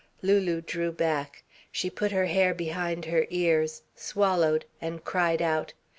Lulu drew back. She put her hair behind her ears, swallowed, and cried out.